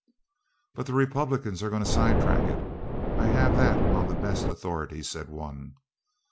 "But the Republicans are going to side track it; I have that on the best authority," said one.